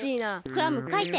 クラムかいて。